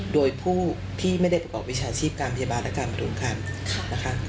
โดยผู้ที่ไม่ได้ประกอบวิชาชีพการพยาบาลและการประชุมคันนะคะ